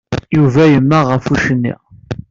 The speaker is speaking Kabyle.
Yuba yemmeɣ ɣef učči-nni.